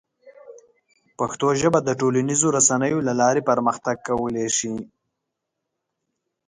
پښتو ژبه د ټولنیزو رسنیو له لارې پرمختګ کولی شي.